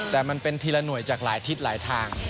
แต่มันเป็นทีละหน่วยจากหลายทิศหลายทาง